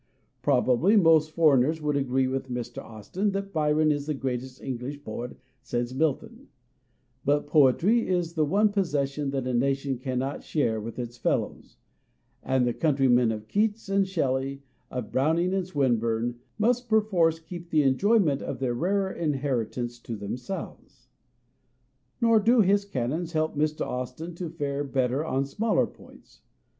Probably most foreigners would agree with Mr. Austin that Byron is the greatest English poet since Milton ; but poetry is the one possession that a nation cannot share with its fellows, and the countrymen of Keats and Shelley, of Browning and Swinburne, must perforce keep the enjoyment of their rarer inheritance to themselves. Nor do his canons help Mr. Austin to fare better on smaller points.